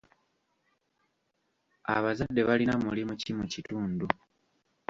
Abazadde balina mulimu ki mu kitundu?